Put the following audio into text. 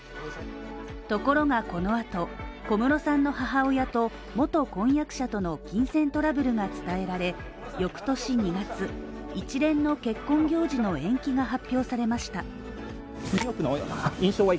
ところがこのあと、小室さんの母親と元婚約者との金銭トラブルが伝えられ翌年２月、一連の結婚行事の延期が発表されました。